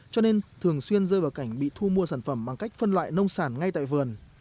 cho nên thường xuyên rơi vào cảnh bị thu mua sản phẩm bằng cách phân loại nông sản ngay tại vườn